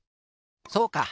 そうか！